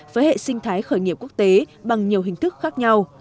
với hệ sinh thái khởi nghiệp quốc tế bằng nhiều hình thức khác nhau